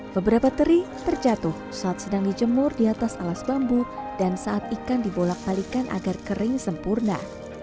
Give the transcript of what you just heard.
beberapa teri terjatuh saat sedang dijemur di atas alas bambu dan saat ikan dibolak balikan agar kering sempurna